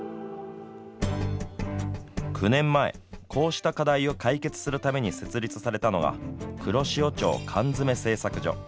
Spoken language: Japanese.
９年前こうした課題を解決するために設立されたのが黒潮町缶詰製作所。